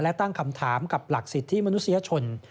และตั้งคำถามกับหลักสิทธิมนุษยชน